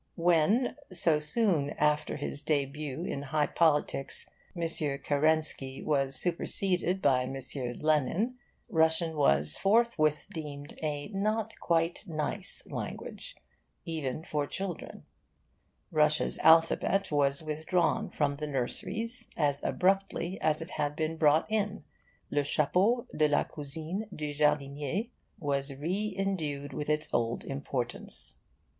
When, so soon after his de'but in high politics, M. Kerensky was superseded by M. Lenin, Russian was forthwith deemed a not quite nice language, even for children. Russia's alphabet was withdrawn from the nurseries as abruptly as it had been brought in, and le chapeau de la cousine du jardinier was re indued with its old importance.